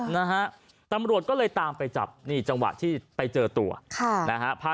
นะฮะตำรวจก็เลยตามไปจับนี่จังหวะที่ไปเจอตัวค่ะนะฮะพา